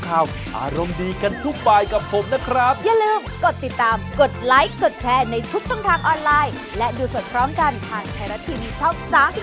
อารมณ์ดีกันทุกป่ายกับผมนะครับ